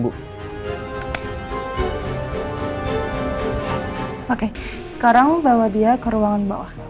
oke sekarang bawa dia ke ruangan bawah